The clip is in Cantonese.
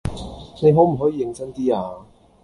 你可唔可以認真 D 呀？